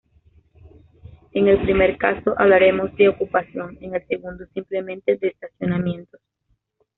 En el primer caso hablaremos de ocupación, en el segundo simplemente de estacionamientos.